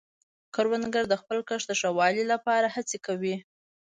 کروندګر د خپل کښت د ښه والي لپاره هڅې کوي